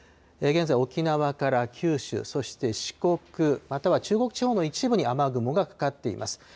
現在、沖縄から九州、そして四国、または中国地方の一部に雨雲がかかっています。